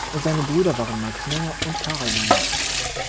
Seine Brüder waren Max Menger und Carl Menger.